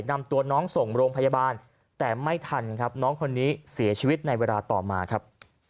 นำตัวน้องส่งโรงพยาบาลแต่ไม่ทันครับน้องคนนี้เสียชีวิตในเวลาต่อมาครับ